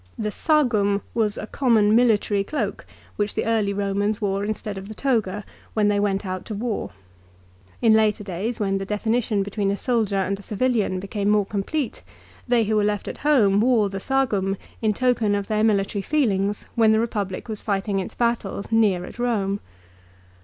The "sagum" was a common military cloak which the early Eomans wore instead of the "toga" when they went out to war. In later days, when the definition between a soldier and a civilian became more complete, they who were left at home wore the " sagum," in token of their military feelings, when the Republic was fighting its battles near at Rome.